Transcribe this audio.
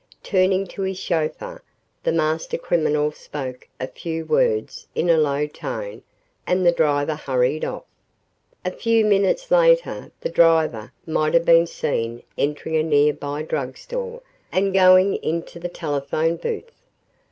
Turning to his chauffeur, the master criminal spoke a few words in a low tone and the driver hurried off. A few minutes later the driver might have been seen entering a near by drug store and going into the telephone booth.